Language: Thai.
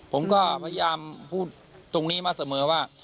ผมก็พยายามพูดตรงนี้มาเสมอว่า